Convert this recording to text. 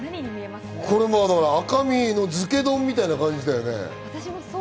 赤身の漬け丼みたいな感じだよね。